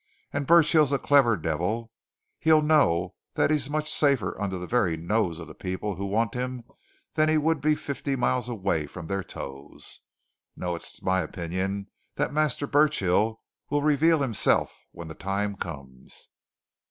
And Burchill's a clever devil he'll know that he's much safer under the very nose of the people who want him than he would be fifty miles away from their toes! No, it's my opinion that Master Burchill will reveal himself, when the time comes."